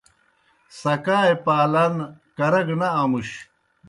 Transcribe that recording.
سکائے پالان کرہ گہ نہ امُش۔